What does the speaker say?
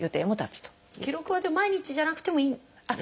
記録は毎日じゃなくてもいいんですか？